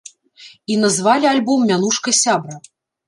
І назвалі альбом мянушкай сябра.